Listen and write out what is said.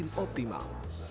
yang semakin optimal